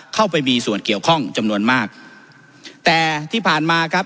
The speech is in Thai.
เข้าไปมีส่วนเกี่ยวข้องจำนวนมากแต่ที่ผ่านมาครับ